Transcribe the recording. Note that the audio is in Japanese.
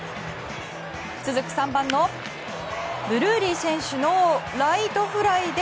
続く３番のドゥルーリー選手のライトフライで。